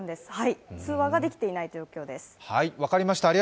通話ができていない状況です。